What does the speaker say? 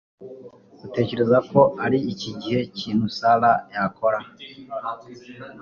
utekereza ko ari ikihe kintu sarah yakora